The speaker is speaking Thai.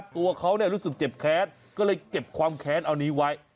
ตัวเขารู้สึกเจ็บแค้นก็เลยเก็บความแค้นเอานี้ไว้